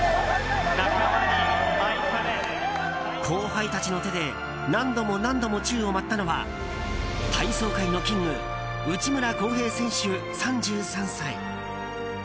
後輩たちの手で何度も何度も宙を舞ったのは体操界のキング内村航平選手、３３歳。